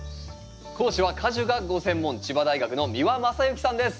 講師は果樹がご専門千葉大学の三輪正幸さんです。